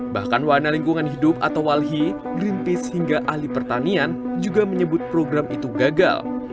bahkan wahana lingkungan hidup atau walhi greenpeace hingga ahli pertanian juga menyebut program itu gagal